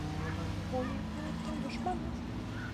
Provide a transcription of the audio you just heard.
Ул йәмғиәттең дошманы!